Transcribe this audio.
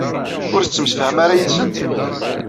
Ur tettemsefham ara yid-sent?